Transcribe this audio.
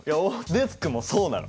デスクもそうなの。